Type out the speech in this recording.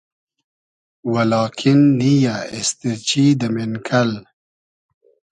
و لاکین نییۂ اېستیرچی دۂ مېنکئل